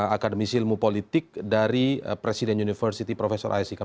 akademisi ilmu politik dari presiden university profesor ais hikam